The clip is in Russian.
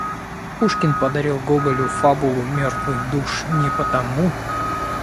Пушкин подарил Гоголю фабулу "Мертвых душ" не потому